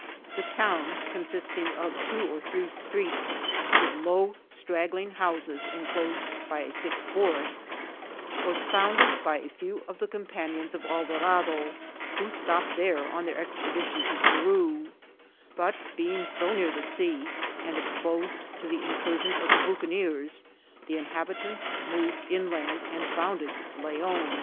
The town, consisting of two or three streets, with low strag gling houses, enclosed by a thick forest, was founded by a few of the companions of Alvarado, who stopped there on their expedition to Peru ; but, being so near the sea, and exposed to the incursions of the bucaniers , the inhabitants moved inland, and founded Leon.